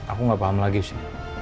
aku nggak paham lagi sih